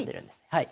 はい。